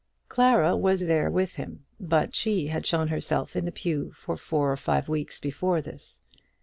Clara was there with him, but she had shown herself in the pew for four or five weeks before this.